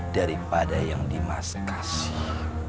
daripada yang dimas kasih